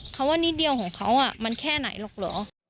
คำว่านิดเดียวของเขามันแค่ไหนหรอกเหรอ